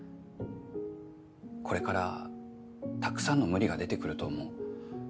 これからたくさんの無理が出てくると思う。